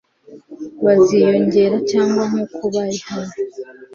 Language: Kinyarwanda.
baziyongera cyangwa nkuko bari hano